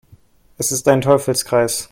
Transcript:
Es ist ein Teufelskreis.